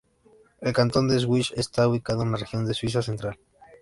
El cantón de Schwyz está ubicado en la región de Suiza Central.